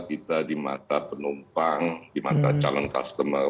kita di mata penumpang di mata calon customer